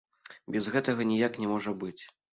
Без гэтага ніяк не можа быць.